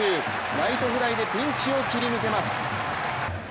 ライトフライでピンチを切り抜けます。